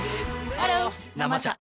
ハロー「生茶」